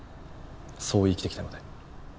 そう生きてきたので。